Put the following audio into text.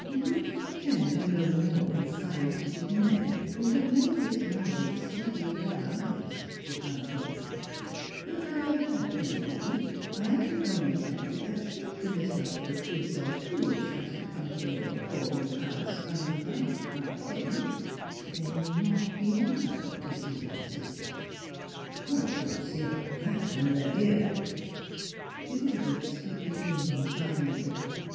"You may pretend to know more than scientific men who have made this malady the study of their lives," replied Hilda ;" but however that may be, I can only tell you that should the Miss Luttrells be so foolish as to come to Lord Paulyn's house uninvited by him, they will not be allowed to see their sister." " We will see about that when they are here." Elizabeth stood between them silently.